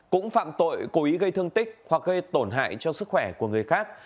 cũng phạm tội cố ý gây thương tích hoặc gây tổn hại cho sức khỏe của người khác